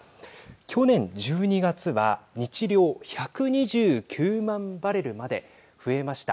去年１２月は日量１２９万バレルまで増えました。